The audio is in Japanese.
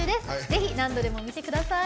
ぜひ何度でも見てください。